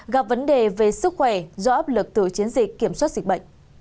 gặp vấn đề về sức khỏe do áp lực từ chiến dịch kiểm soát dịch bệnh